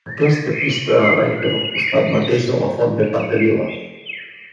Aquesta pista arrenca del costat mateix de la font de Capdevila.